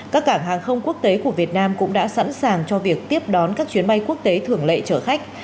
các cảng hàng không quốc tế của việt nam cũng đã sẵn sàng cho việc tiếp đón các chuyến bay quốc tế thường lệ chở khách